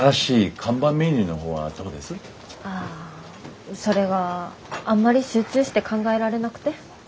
ああそれがあんまり集中して考えられなくて。